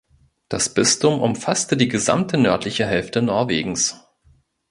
Das Bistum umfasste die gesamte nördliche Hälfte Norwegens.